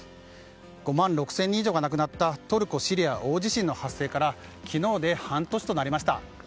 ５万６０００人以上が亡くなったトルコ・シリア地震の発生から昨日で半年となりました。